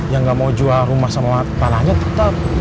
yang gak mau jual rumah sama panahnya tetep di taruh juga